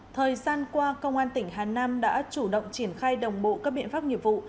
thời gian qua công an tỉnh hà nam đã chủ động triển khai đồng bộ các biện pháp nghiệp vụ